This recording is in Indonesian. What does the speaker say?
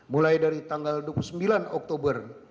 mulai dari tanggal dua puluh sembilan oktober